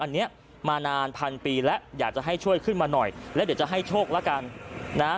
อันนี้มานานพันปีแล้วอยากจะให้ช่วยขึ้นมาหน่อยแล้วเดี๋ยวจะให้โชคละกันนะฮะ